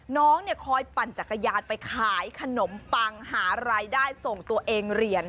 น้องเนี่ยคอยปั่นจักรยานไปขายขนมปังหารายได้ส่งตัวเองเรียน